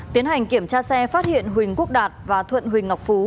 tiến hành kiểm tra xe phát hiện huỳnh quốc đạt và thuận huỳnh ngọc phú